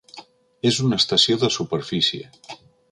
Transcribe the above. És una estació de superfície.